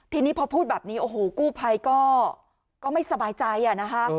ทีนี้พอพูดแบบนี้โอ้โหกู้ภัยก็ไม่สบายใจนะคะ